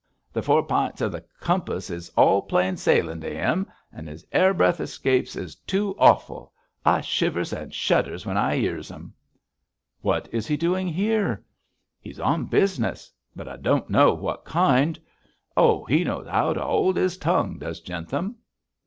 The four pints of the compass is all plain sailing to 'im; and his 'airbreadth escapes is too h'awful. I shivers and shudders when I 'ears 'em.' 'What is he doing here?' 'He's on business; but I don't know what kind. Oh, he knows 'ow to 'old 'is tongue, does Jentham.'